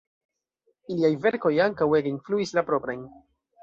Iliaj verkoj ankaŭ ege influis la proprajn.